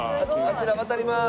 あちら渡ります。